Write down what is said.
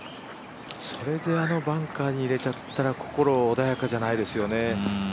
それであのバンカーに入れちゃったら、心穏やかじゃないですよね。